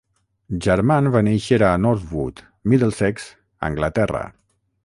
Jarman va néixer a Northwood, Middlesex, Anglaterra.